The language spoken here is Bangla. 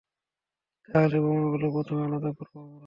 তাহলে, বোমাগুলো প্রথমে আলাদা করব আমরা।